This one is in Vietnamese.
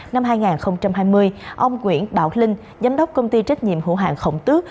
năm hai nghìn hai mươi ông nguyễn bảo linh giám đốc công ty trách nhiệm hữu hạng khổng tước